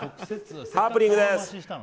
ハプニングです。